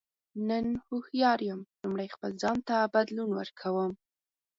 نن هوښیار یم لومړی ځان ته بدلون ورکوم.